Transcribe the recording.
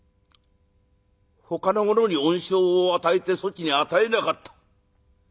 ほかの者に恩賞を与えてそちに与えなかった。